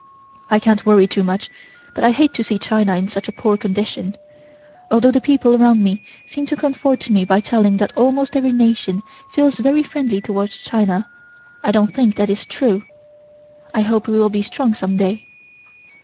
I can't worry too much, but I hate to see China in such a poor condition. Although the people around me seem to comfort me by telling that almost every nation feels very friendly towards China, I don't think that is true. I hope we will be strong some day."